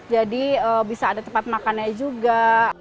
jadi bisa ada tempat makannya juga